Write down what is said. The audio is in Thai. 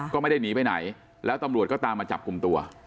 ก็ไม่ได้หนีไปไหนแล้วตำรวจก็ตามมาจับกลุ่มตัว